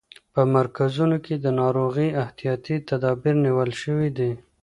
په مرکزونو کې د ناروغۍ احتیاطي تدابیر نیول شوي دي.